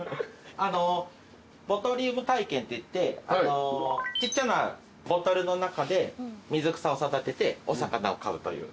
あのボトリウム体験っていってちっちゃなボトルの中で水草を育ててお魚を飼うという。